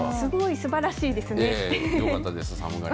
すばらしいですね。